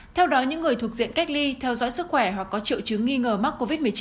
theo đó những người thuộc diện cách ly theo dõi sức khỏe hoặc có triệu chứng nghi ngờ mắc covid một mươi chín